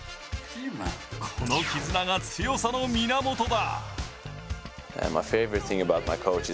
この絆が強さの源だ。